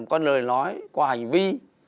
qua lời nói qua hành vi